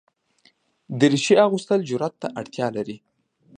دریشي اغوستل جرئت ته اړتیا لري.